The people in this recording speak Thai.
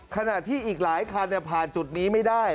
ขณะที่อีกหลายคันผ่านจุดนี้ไม่ได้